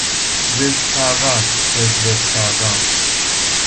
وزکردن وزوزکردن